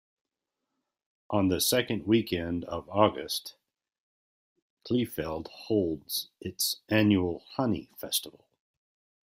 On the second weekend of August, Kleefeld holds its annual Honey Festival.